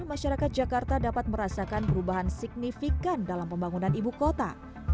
masyarakat jakarta dapat merasakan perubahan signifikan dalam pembangunan ibu kota